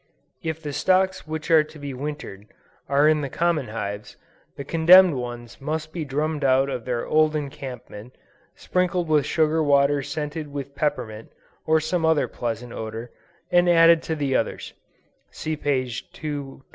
If the stocks which are to be wintered, are in the common hives, the condemned ones must be drummed out of their old encampment, sprinkled with sugar water scented with peppermint, or some other pleasant odor, and added to the others, (see p. 212.)